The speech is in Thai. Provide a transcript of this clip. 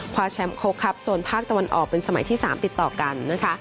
แชมป์โคกครับโซนภาคตะวันออกเป็นสมัยที่๓ติดต่อกันนะคะ